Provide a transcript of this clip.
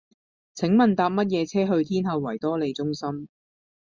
請問搭乜嘢車去天后維多利中心